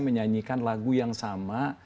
menyanyikan lagu yang sama